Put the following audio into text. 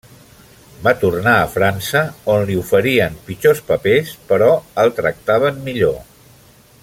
Va tornar a França, on li oferien pitjors papers però el tractaven millor.